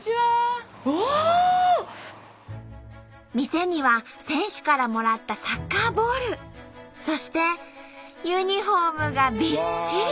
店には選手からもらったサッカーボールそしてユニフォームがびっしり。